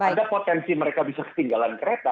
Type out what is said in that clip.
ada potensi mereka bisa ketinggalan kereta